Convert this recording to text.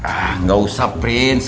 ah gak usah prince